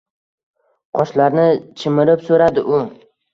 qoshlarini chimirib so`radi u